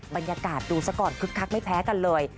บรรยากาศดูซะก่อนคึกคักไม่แพ้กันเลย